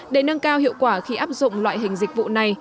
để nâng cao hiệu quả khi áp dụng loại hình dịch vụ này